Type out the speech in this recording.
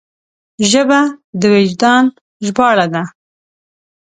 ژبه د وجدان ژباړه ده